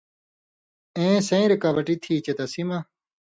اېں سَیں رُکاوٹی تھی چے تسی مہ